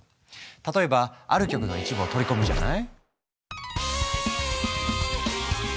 例えばある曲の一部を取り込むじゃない？